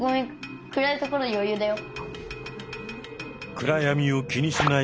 暗闇を気にしない